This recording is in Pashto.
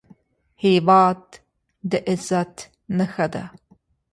هېواد د عزت نښه ده